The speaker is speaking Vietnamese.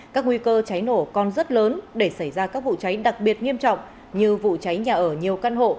các nguy cơ cháy nổ còn rất lớn để xảy ra các vụ cháy đặc biệt nghiêm trọng như vụ cháy nhà ở nhiều căn hộ